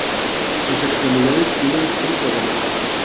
Sus extremidades tienen cinco dedos.